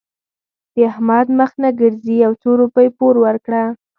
د احمد مخ نه ګرځي؛ يو څو روپۍ پور ورکړه.